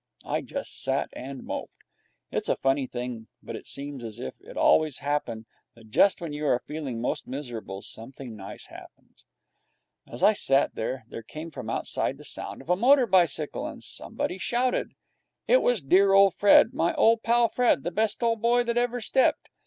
I just sat and moped. It's a funny thing, but it seems as if it always happened that just when you are feeling most miserable, something nice happens. As I sat there, there came from outside the sound of a motor bicycle, and somebody shouted. It was dear old Fred, my old pal Fred, the best old boy that ever stepped.